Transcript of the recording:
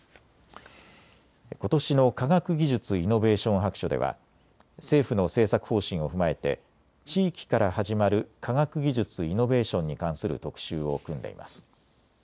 ことしの科学技術・イノベーション白書では政府の政策方針を踏まえて地域から始まる科学技術・イノベーションに関する特集を組んでいます。